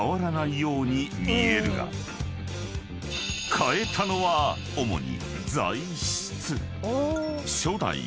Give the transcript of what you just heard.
［変えたのは主に］